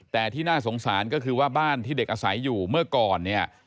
แต่ที่น่าสงสารก็คือว่าบ้านที่เด็กอาศัยอยู่เมื่อก่อนเนี่ย